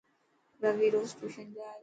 روي روز ٽيوشن جائي ٿو.